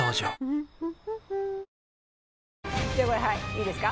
いいですか？